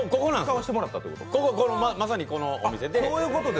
まさにこのお店で。